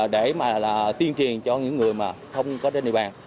để tiên truyền cho những người mà không có đến địa bàn